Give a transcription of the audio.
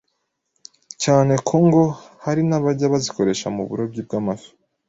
cyane ko ngo hari n’abajya bazikoresha mu burobyi bw’amafi.